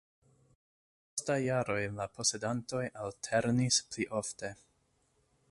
En pli postaj jaroj la posedantoj alternis pli ofte.